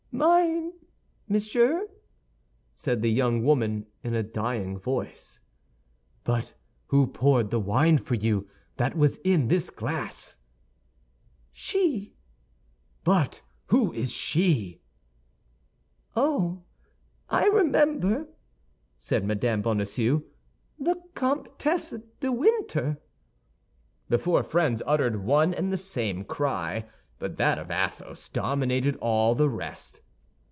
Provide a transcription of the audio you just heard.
"Mine, monsieur," said the young woman, in a dying voice. "But who poured the wine for you that was in this glass?" "She." "But who is she?" "Oh, I remember!" said Mme. Bonacieux, "the Comtesse de Winter." The four friends uttered one and the same cry, but that of Athos dominated all the rest.